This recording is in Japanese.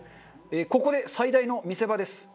ここで最大の見せ場です。